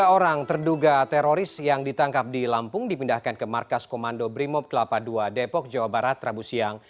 tiga orang terduga teroris yang ditangkap di lampung dipindahkan ke markas komando brimob kelapa ii depok jawa barat rabu siang